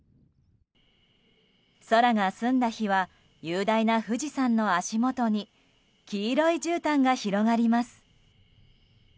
空が澄んだ日は雄大な富士山の足元に黄色いじゅうたんが広がります。